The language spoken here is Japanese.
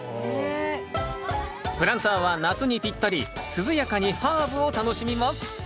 プランターは夏にぴったり涼やかにハーブを楽しみます